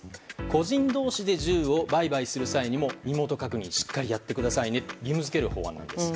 個人同士で銃を売買する際にも身元確認をしっかりやってくださいねと義務付ける法案なんです。